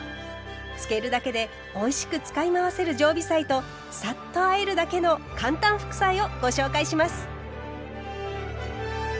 つけるだけでおいしく使い回せる常備菜とサッとあえるだけの簡単副菜をご紹介します。